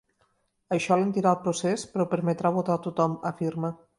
Això alentirà el procés, però permetrà votar a tothom, afirma.